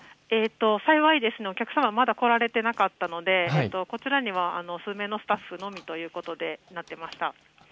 幸いお客様はまだ来られていなかったのでこちらには数名のスタッフのみということでした。